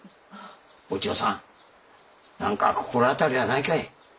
お千代さん何か心当たりはないかい？